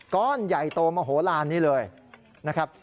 ก้อนใหญ่โตมโหลานนี้เลยนะครับ